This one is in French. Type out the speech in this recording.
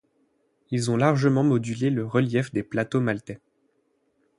Ils ont largement modulé le relief des plateaux maltais.